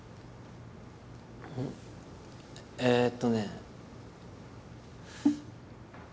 えっとね。